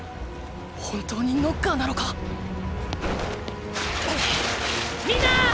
本当にノッカーなのか⁉皆！